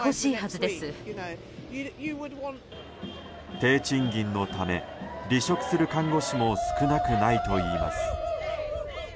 低賃金のため離職する看護師も少なくないといいます。